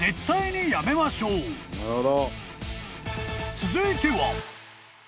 ［続いては］